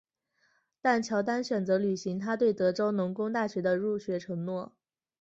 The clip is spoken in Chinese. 但乔丹选择履行他对德州农工大学的入学承诺。